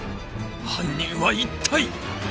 犯人は一体？